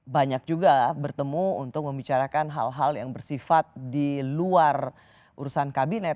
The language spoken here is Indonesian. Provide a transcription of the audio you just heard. banyak juga bertemu untuk membicarakan hal hal yang bersifat di luar urusan kabinet